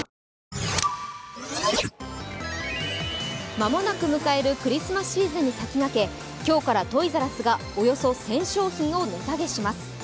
間もなく迎えるクリスマスシーズンに先駆け今日からトイザらスがおよそ１０００商品を値下げします。